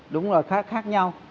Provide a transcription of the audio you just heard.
đúng rồi khác nhau